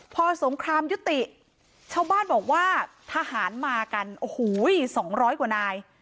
พอสงครามยุติชาวบ้านบอกว่าทหารมากันโอ้โห๒๐๐กว่านาย